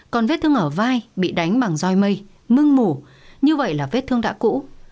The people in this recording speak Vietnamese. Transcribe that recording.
còn vết thương ở vai bị đánh bằng doi mây mưng mủ như vậy là vết thương đã cũ